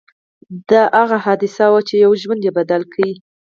دا هغه حادثه وه چې يو ژوند يې بدل کړ.